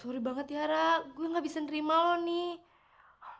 aduh sorry banget ya ra gue gak bisa nerima lo nih